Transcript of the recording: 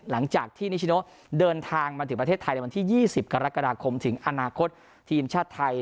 หลังจากที่นิชโนเดินทางมาถึงประเทศไทยในวันที่๒๐กรกฎาคมถึงอนาคตทีมชาติไทย